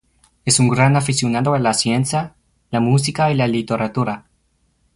Es un gran aficionado a la ciencia, la música y la literatura.